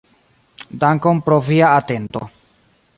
Dankon pro via atento.